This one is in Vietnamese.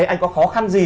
anh có khó khăn gì